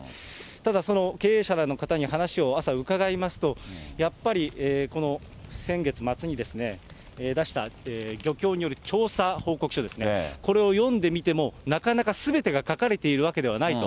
ただその経営者らの方に、話を朝、伺いますと、やっぱりこの先月末にですね、出した漁協による調査報告書ですね、これを読んでみてもなかなかすべてが書かれているわけではないと。